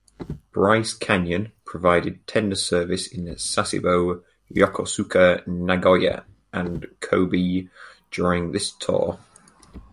"Bryce Canyon" provided tender service in Sasebo, Yokosuka, Nagoya, and Kobe during this tour.